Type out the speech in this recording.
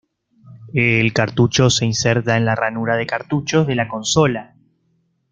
El cartucho se inserta en la ranura de cartuchos de la consola.